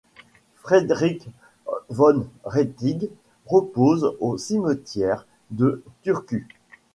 Fredric von Rettig repose au Cimetière de Turku.